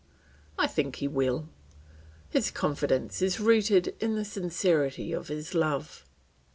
I think he will; his confidence is rooted in the sincerity of his love.